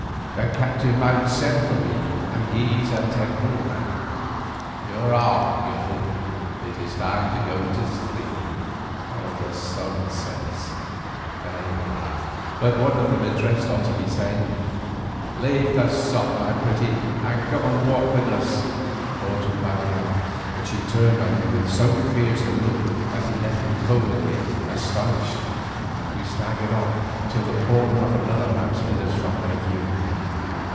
"The captain might send for me and he's a temperate man. Your arm, girl; it is time to go to sleep, the sun sets." They laughed, but one of them addressed Otomie, saying: "Leave the sot, my pretty, and come and walk with us," and he caught her by the arm. But she turned on him with so fierce a look that he let her go again astonished, and we staggered on till the corner of another house hid us from their view.